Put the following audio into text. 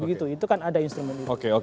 begitu itu kan ada instrumen itu